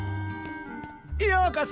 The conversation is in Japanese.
ようこそ。